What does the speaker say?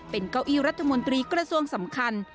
เป็นเก้าอี้รัฐมนตรีกระทรวงสำคัญ